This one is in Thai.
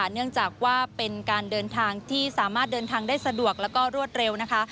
เนื่องจากว่าเป็นการเดินทางที่สามารถเดินทางได้สะดวกแล้วก็รวดเร็วนะคะ